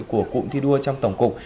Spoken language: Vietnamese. của cụm thi đua trong tổng cục